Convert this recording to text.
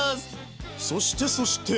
そしてそして。